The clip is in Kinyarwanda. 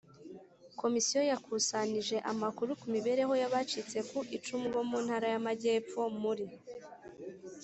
Komisiyo yakusanije amakuru ku mibereho y abacitse ku icumu bo mu Ntara y Amajyepfo Muri